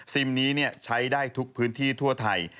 ซิมนี้เนี่ยใช้ได้ทุกพื้นที่ทั่วไทย